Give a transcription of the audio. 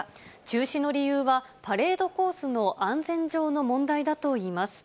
中止の理由は、パレードコースの安全上の問題だといいます。